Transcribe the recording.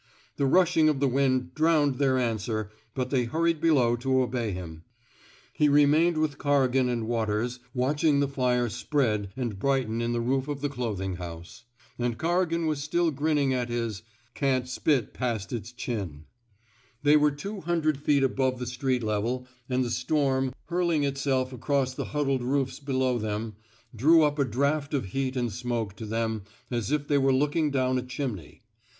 The rushing of the wind drowned their answer, but they hurried below to obey him. He remained with Corrigan and Waters, watching the fire spread and brighten in the roof of the clothing house; and Corrigan was still grinning at his ^^ Can't spit past its 197 f THE SMOKE EATEES chin. They were two hundred feet above the street level, and the storm, hurling itself across the huddled roofs below them, drew up a draft of heat and smoke to them as if they were looking down a chimney.